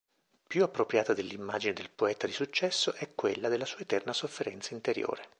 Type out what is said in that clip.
Più appropriata dell'immagine del poeta di successo è quella della sua eterna sofferenza interiore.